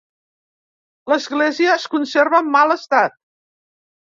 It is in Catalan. L'església es conserva en mal estat.